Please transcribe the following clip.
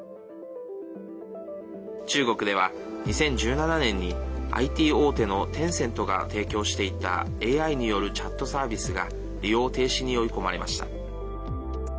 中国では２０１７年にＩＴ大手のテンセントが提供していたＡＩによるチャットサービスが利用停止に追い込まれました。